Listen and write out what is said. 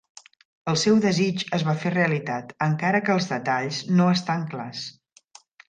El seu desig es va fer realitat, encara que els detalls no estan clars.